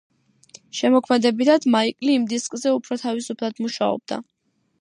შემოქმედებითად მაიკლი ამ დისკზე უფრო თავისუფლად მუშაობდა.